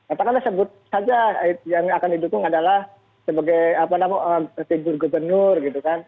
apakah disebut saja yang akan didukung adalah sebagai apa namanya pertidur gubernur gitu kan